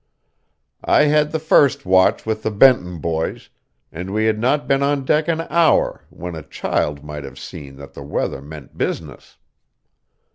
I had the first watch with the Benton boys, and we had not been on deck an hour when a child might have seen that the weather meant business.